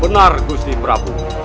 benar gusti prabu